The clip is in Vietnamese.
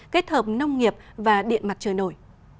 kết hợp nông nghiệp và điện mặt trời nổi